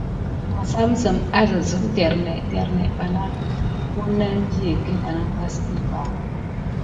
Məssamsəm dernədernə kam misine basika darkiwa adasan ba.